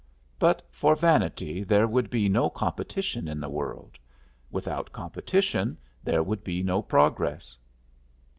But for vanity there would be no competition in the world; without competition there would be no progress.